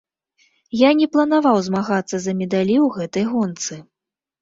Я не планаваў змагацца за медалі ў гэтай гонцы.